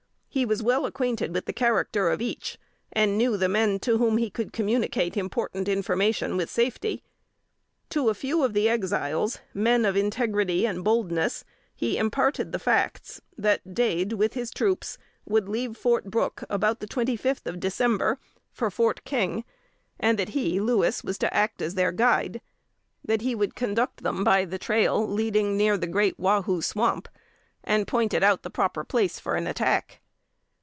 He was well acquainted with the character of each, and knew the men to whom he could communicate important information with safety. To a few of the Exiles, men of integrity and boldness, he imparted the facts that Dade, with his troops, would leave Fort Brooke about the twenty fifth of December, for Fort King, and that he, Louis, was to act as their guide; that he would conduct them by the trail leading near the Great Wahoo Swamp, and pointed out the proper place for an attack.